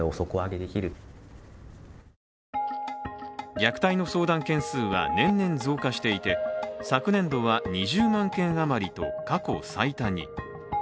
虐待の相談件数は年々増加していて、昨年度は２０万件余りと過去最多に。